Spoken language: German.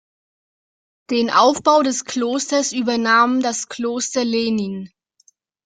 Den Aufbau des Klosters übernahm das Kloster Lehnin.